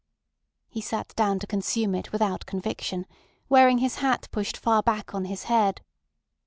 He sat down to consume it without conviction, wearing his hat pushed far back on his head.